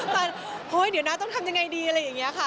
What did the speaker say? เฮ้ยเดี๋ยวน้าต้องทำยังไงดีอะไรอย่างนี้ค่ะ